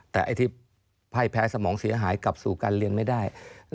แต่ไอ้ที่ไพ่แพ้สมองเสียหายกลับสู่การเรียนไม่ได้